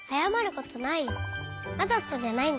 わざとじゃないんだから。